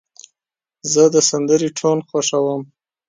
زه د سندرې ټون خوښوم.